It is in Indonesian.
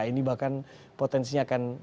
ini bahkan potensinya akan